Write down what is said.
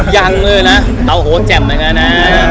ยังเลยนะเตาโหแจ่มเหมือนกันนะ